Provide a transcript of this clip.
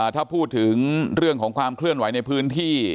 ถ้าพูดถึงเรื่องของความเคลื่อนไหวในพื้นที่